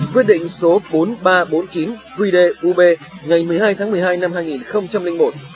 quyết định số bốn nghìn ba trăm bốn mươi chín quy đê ub ngày năm tháng một mươi năm hai nghìn một